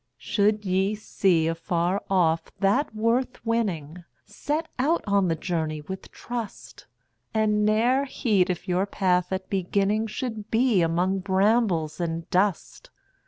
Should ye see, afar off, that worth winning, Set out on the journey with trust; And ne'er heed if your path at beginning Should be among brambles and dust.